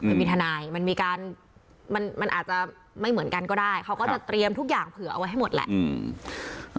มันมีทนายมันมีการมันอาจจะไม่เหมือนกันก็ได้เขาก็จะเตรียมทุกอย่างเผื่อเอาไว้ให้หมดแหละ